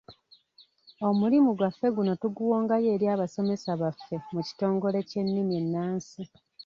Omulimu gwaffe guno tuguwongayo eri abasomesa baffe mu kitongole ky’ennimi ennansi.